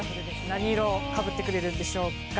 何色をかぶってくれるんでしょうか。